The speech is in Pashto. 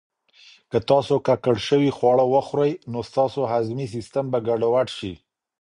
که تاسو ککړ شوي خواړه وخورئ، نو ستاسو هضمي سیسټم به ګډوډ شي.